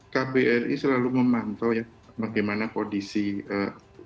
kbri selalu memantau ya bagaimana kondisi fasilitas kesehatan